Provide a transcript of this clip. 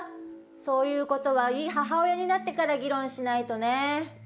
そういうことは、いい母親になってから議論しないとね。